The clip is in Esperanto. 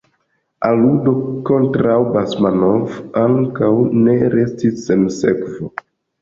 Aludo kontraŭ Basmanov ankaŭ ne restis sen sekvo.